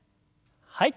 はい。